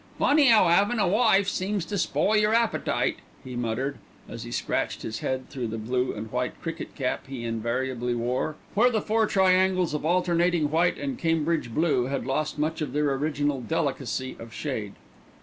"Funny 'ow 'avin' a wife seems to spoil yer appetite," he muttered, as he scratched his head through the blue and white cricket cap he invariably wore, where the four triangles of alternating white and Cambridge blue had lost much of their original delicacy of shade.